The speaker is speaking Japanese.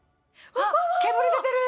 わっ煙出てる！